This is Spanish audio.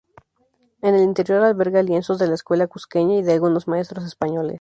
En el interior alberga lienzos de la Escuela Cusqueña y de algunos maestros españoles.